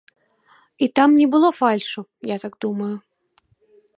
І там не было фальшу, я так думаю.